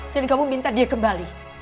dan kamu minta dia kembali